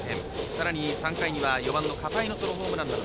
さらに３回には４番の片井のソロホームラン。